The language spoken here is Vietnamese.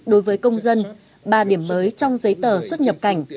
đối với công dân ba điểm mới trong giấy tờ xuất nhập cảnh